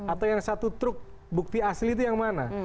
atau yang satu truk bukti asli itu yang mana